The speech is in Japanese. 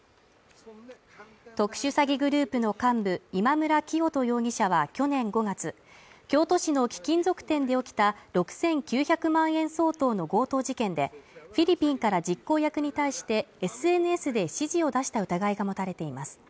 特殊詐欺グループの幹部、今村磨人容疑者は去年５月、京都市の貴金属店で起きた６９００万円相当の強盗事件で、フィリピンから実行役に対して、ＳＮＳで指示を出した疑いが持たれています。